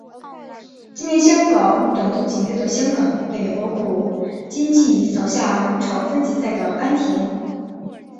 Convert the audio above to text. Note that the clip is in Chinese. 今年香港短途锦标的香港代表包括今季扫下两场分级赛的安畋。